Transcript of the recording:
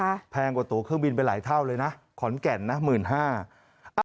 แพงกว่าตัวเครื่องบินไปหลายเท่าเลยนะขอนแก่นนะหมื่นห้า